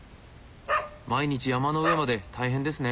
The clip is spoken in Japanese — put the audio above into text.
毎日山の上まで大変ですね。